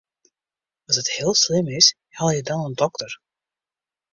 As it heel slim is, helje dan in dokter.